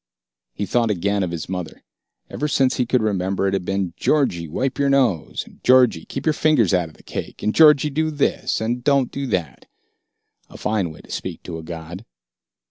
He thought again of his mother. Ever since he could remember, it had been, "Georgie, wipe your nose!" and, "Georgie, keep your fingers out of the cake!" and Georgie do this and don't do that. A fine way to speak to a god.